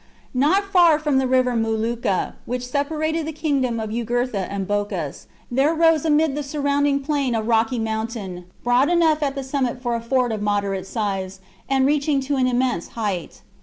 Not far from the river Muluccha, which separated the kingdom of Jugurtha and Bocchus, there rose amid the surrounding plain a rocky mountain, broad enough at the summit for a fort of moderate size, and reach ing to an immense height.